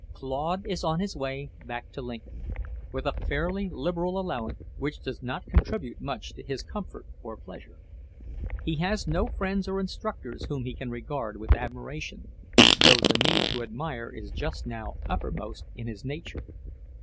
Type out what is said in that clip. Claude is on his way back to Lincoln, with a fairly liberal allowance which does not contribute much to his comfort or pleasure. He has no friends or instructors whom he can regard with admiration, though the need to admire is just now uppermost in his nature.